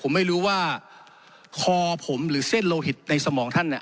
ผมไม่รู้ว่าคอผมหรือเส้นโลหิตในสมองท่านเนี่ย